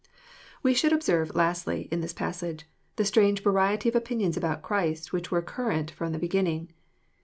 We should observe, lastly, in this passage, the strange vor riety of opinions about Christ, which were current from the beginning.